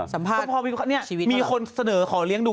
อ๋อสัมภาษณ์ชีวิตหรือเปล่านี่มีคนเสนอขอเลี้ยงดู